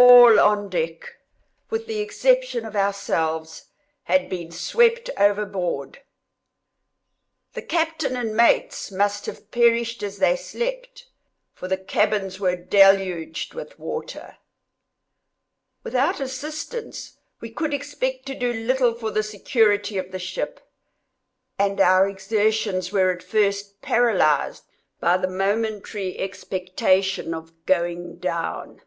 All on deck, with the exception of ourselves, had been swept overboard;—the captain and mates must have perished as they slept, for the cabins were deluged with water. Without assistance, we could expect to do little for the security of the ship, and our exertions were at first paralyzed by the momentary expectation of going down.